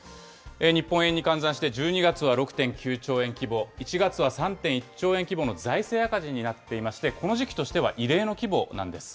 日本円に換算して、１２月は６．９兆円規模、１月は３．１兆円規模の財政赤字になっていまして、この時期としては異例の規模なんです。